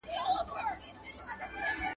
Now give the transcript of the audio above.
په لویو غرو کي غل نه ځايیږي